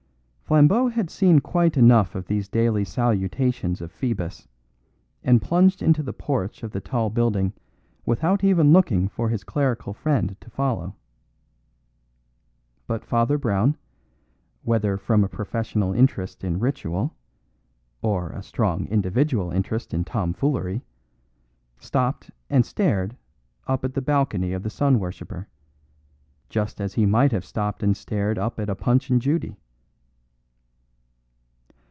Flambeau had seen quite enough of these daily salutations of Phoebus, and plunged into the porch of the tall building without even looking for his clerical friend to follow. But Father Brown, whether from a professional interest in ritual or a strong individual interest in tomfoolery, stopped and stared up at the balcony of the sun worshipper, just as he might have stopped and stared up at a Punch and Judy.